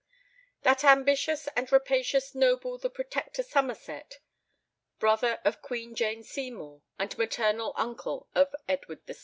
That ambitious and rapacious noble the Protector Somerset, brother of Queen Jane Seymour, and maternal uncle of Edward VI.